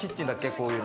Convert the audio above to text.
こういうの。